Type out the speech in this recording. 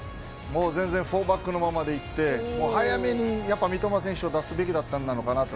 全然４バックのままでいって早めにやっぱり三笘選手を出すべきだったのかなと。